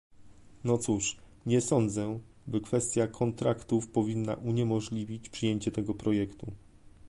No cóż, nie sądzę, by kwestia kontraktów powinna uniemożliwić przyjęcie tego projektu